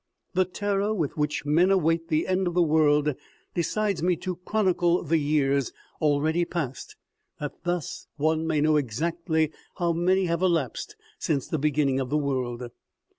The terror with which men await the end of the world decides me to chronicle OMEGA. i 37 the years already passed, that thus one may know exactly how many have elapsed since the beginning of the world."